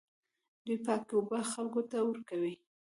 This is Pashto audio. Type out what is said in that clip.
دوی پاکې اوبه خلکو ته ورکوي.